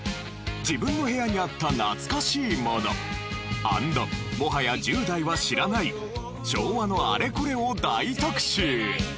自分の部屋にあった懐かしいもの＆もはや１０代は知らない昭和のあれこれを大特集。